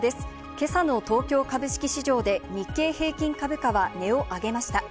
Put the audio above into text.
今朝の東京株式市場で日経平均株価は値を上げました。